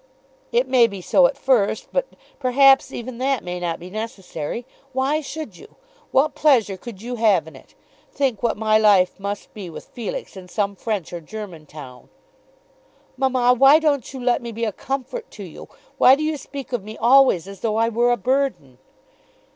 "It may be so at first; but, perhaps, even that may not be necessary. Why should you? What pleasure could you have in it? Think what my life must be with Felix in some French or German town!" "Mamma, why don't you let me be a comfort to you? Why do you speak of me always as though I were a burden?"